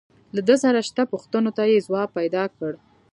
له ده سره شته پوښتنو ته يې ځواب پيدا کړ.